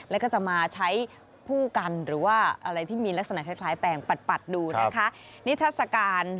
แล้วก็จะมาใช้ผู้กันหรือว่าอะไรที่มีลักษณะคล้ายแปลงปัดดูนะคะนิทัศกาล